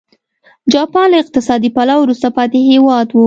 جاپان له اقتصادي پلوه وروسته پاتې هېواد و.